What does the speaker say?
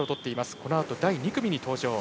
このあと第２組に登場。